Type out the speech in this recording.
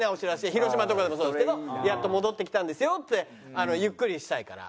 広島とかだとそうですけど「やっと戻ってきたんですよ」って。ゆっくりしたいから。